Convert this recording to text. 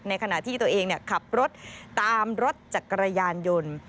ในขณะที่ตัวเองเนี่ยขับรถตามรถจากกระยานยนต์